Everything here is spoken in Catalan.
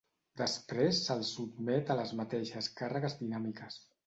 Després se'ls sotmet a les mateixes càrregues dinàmiques.